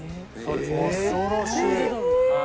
恐ろしい！